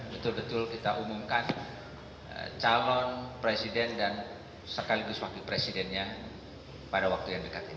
betul betul kita umumkan calon presiden dan sekaligus wakil presidennya pada waktu yang dekat ini